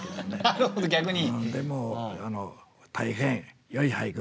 なるほど逆に。